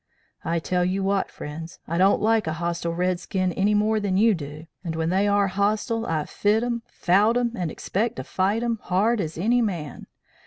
"'I tell you what, friends; I don't like a hostile Red Skin any more than you do. And when they are hostile, I've fit 'em fout 'em and expect to fight 'em hard as any man.